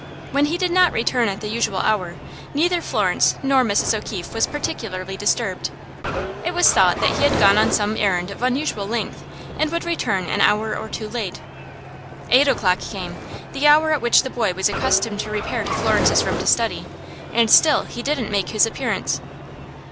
When he did not return at the usual hour, neither Florence nor Mrs. O'Keefe was particularly disturbed. It was thought that he had gone on some errand of unusual length, and would return an hour or two late. Eight o'clock came, the hour at which the boy was accustomed to repair to Florence's room to study, and still he didn't make his appearance.